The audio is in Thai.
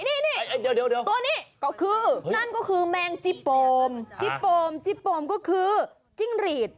เดี๋ยวก็คือนั่นก็คือแมงจิปโปมจิปโปมก็คือจิ้งหรีด